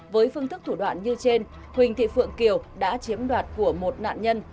với phương thức thủ đoạn như trên huỳnh thị phượng kiều đã chiếm đoạt của một nạn nhân